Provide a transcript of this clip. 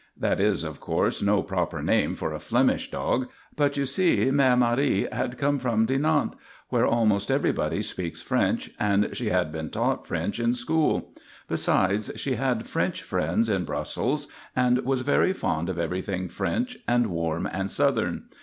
That is, of course, no proper name for a Flemish dog, but you see Mère Marie had come from Dinant, where almost everybody speaks French, and she had been taught French in school. Besides, she had French friends in Brussels and was very fond of everything French and warm and southern.